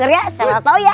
om surya sama pak uya